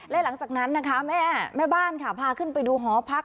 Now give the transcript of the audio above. และหลังจากนั้นนะคะแม่บ้านค่ะพาขึ้นไปดูหอพัก